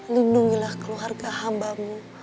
lindungilah keluarga hambamu